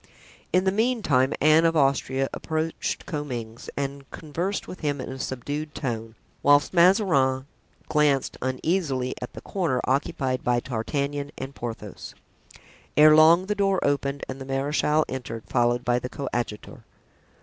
In the meantime Anne of Austria approached Comminges and conversed with him in a subdued tone, whilst Mazarin glanced uneasily at the corner occupied by D'Artagnan and Porthos. Ere long the door opened and the marechal entered, followed by the coadjutor.